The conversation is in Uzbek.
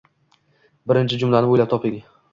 birinchi jumlani o‘ylab toping.